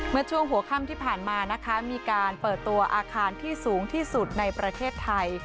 เมื่อช่วงหัวค่ำที่ผ่านมานะคะมีการเปิดตัวอาคารที่สูงที่สุดในประเทศไทย